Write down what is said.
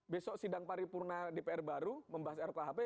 besok sidang paripurna di pr baru membahas rkuhp